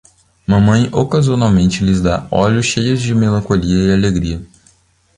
Mamãe ocasionalmente lhes dá olhos cheios de melancolia e alegria.